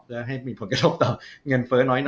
และให้มีผลกระทบต่อเงินเฟ้อน้อย